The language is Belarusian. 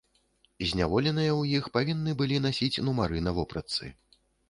Зняволеныя ў іх павінны былі насіць нумары на вопратцы.